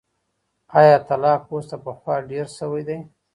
ایا طلاق اوس تر پخوا ډېر سوی دی؟